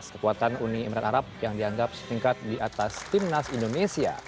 kekuatan uni emirat arab yang dianggap setingkat di atas timnas indonesia